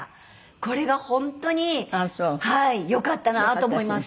これが本当によかったなと思います。